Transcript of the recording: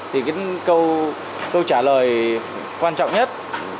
thì câu trả lời quan trọng nhất là